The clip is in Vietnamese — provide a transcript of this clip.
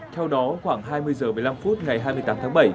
theo đó khoảng hai mươi h một mươi năm phút ngày hai mươi tám tháng bảy